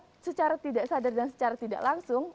dan mereka secara tidak sadar dan secara tidak langsung